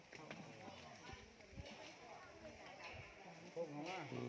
มาเชิญว่าเกลียดพลังอย่างรอดอีกครั้ง